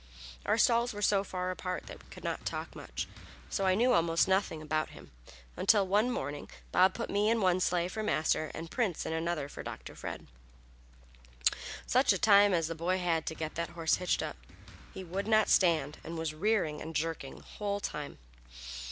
Our stalls were so far apart that we could not talk much, so I knew almost nothing about him until one morning Bob put me in one sleigh for Master and Prince in another for Dr. Fred. Such a time as the boy had to get that horse hitched up. He would not stand, and was rearing and jerking the whole time.